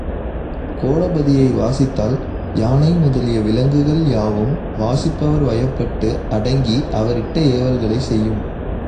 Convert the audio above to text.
கோடபதியை வாசித்தால் யானை முதலிய விலங்குகள் யாவும் வாசிப்பவர் வயப்பட்டு அடங்கி, அவரிட்ட ஏவல்களைச் செய்யும்.